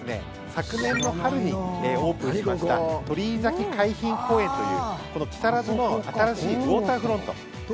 昨年の春にオープンしました鳥居崎海浜公園という木更津の新しいウォーターフロント。